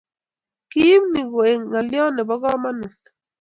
kiipei ni koek ngaliat nepo kamanut